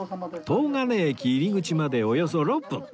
東金駅入口までおよそ６分